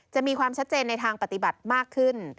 จะมีความชัดเจนในทางปฏิบัติมากขึ้น